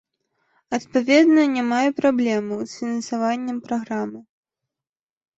Адпаведна, няма і праблемаў з фінансаваннем праграмы.